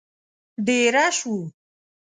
دېره شوو.